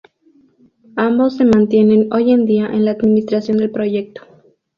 Ambos se mantienen hoy día en la administración del proyecto.